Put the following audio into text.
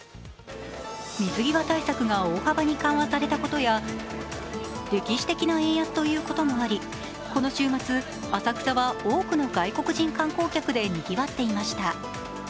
水際対策が大幅に緩和されたことや歴史的な円安ということもあり、この週末、浅草は多くの外国人観光客でにぎわっていました。